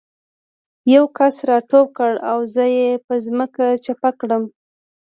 یو کس را ټوپ کړ او زه یې په ځمکه چپه کړم